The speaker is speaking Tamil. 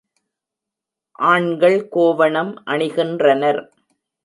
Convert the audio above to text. ஆண்கள் கோவணம் அணிகின்றனர்.